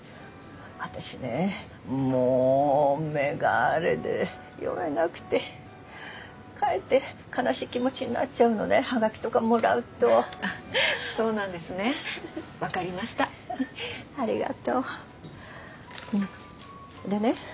私ねもう目があれで読めなくてかえって悲しい気持ちになっちゃうのねハガキとかもらうとそうなんですねわかりましたありがでね